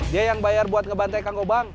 dia yang bayar buat ngebantai kang gobang